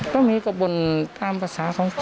ไม่ไม่ขาดมาตอนนี้